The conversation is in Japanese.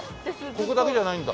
ここだけじゃないんだ。